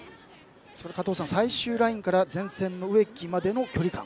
加藤さん、最終ラインから前線の植木までの距離感。